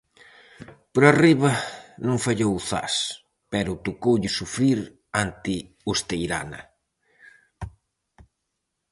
Por arriba non fallou o Zas, pero tocoulle sufrir ante o Esteirana.